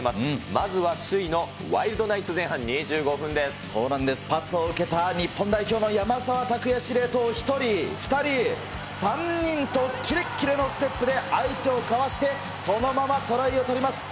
まずは首位のワイルドナイツ、そうなんです、パスを受けた日本代表の山沢拓也、司令塔１人、２人、３人とキレッキレのステップで相手をかわして、そのままトライを取ります。